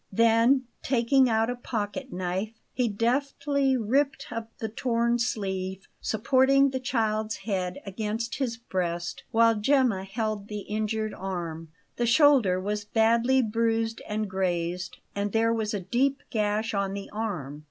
Then, taking out a pocket knife, he deftly ripped up the torn sleeve, supporting the child's head against his breast, while Gemma held the injured arm. The shoulder was badly bruised and grazed, and there was a deep gash on the arm.